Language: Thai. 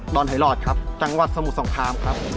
อนไหลอดครับจังหวัดสมุทรสงครามครับ